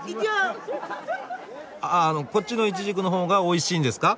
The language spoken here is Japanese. ああのこっちのイチジクの方がおいしいんですか？